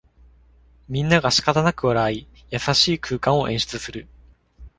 みんながしかたなく笑い、優しい空間を演出する